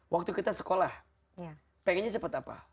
waktu kita sekolah pengennya cepat apa